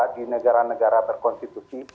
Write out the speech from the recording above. di negara negara berkonstitusi